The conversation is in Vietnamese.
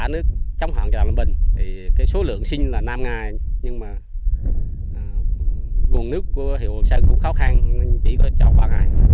nước chống hạn cho đàm lâm bình số lượng sinh là năm ngày nhưng nguồn nước của hiệu hồ sơn cũng khó khăn chỉ có chọc ba ngày